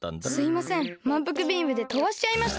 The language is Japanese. まんぷくビームでとばしちゃいました。